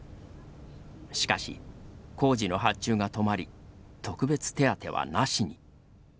しかし、工事の発注が止まり特別手当は無しに。